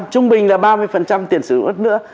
trung bình là ba mươi tiền sử đất nữa